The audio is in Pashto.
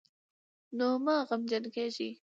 نو مه غمجن کېږئ